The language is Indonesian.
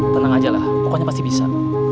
tenang ajalah pokoknya pasti bisa